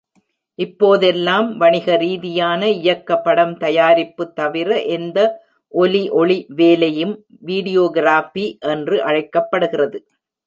இப்போதெல்லாம், வணிகரீதியான இயக்க படம் தயாரிப்பு தவிர எந்த ஒலிஒளி வேலையும் "வீடியோகிராபி" என்று அழைக்கப்படுகிறது.